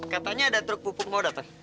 katanya ada truk pupuk mau datang